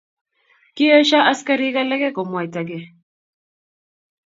Kiesho askarik alake komwaita ke.